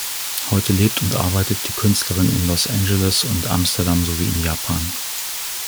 Heute lebt und arbeitet die Künstlerin in Los Angeles und Amsterdam sowie in Japan.